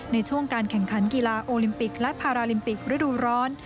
ในช่วงการแข่งขันกีฬาโอลิมปิกและพาราลิมปิกฤดูร้อน